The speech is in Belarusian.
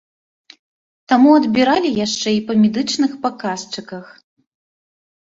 Таму адбіралі яшчэ і па медычных паказчыках.